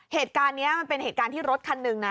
เหตุการณ์นี้มันเป็นเหตุการณ์ที่รถคันหนึ่งนะ